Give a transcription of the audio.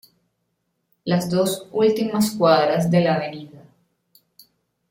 Las dos últimas cuadras de la Av.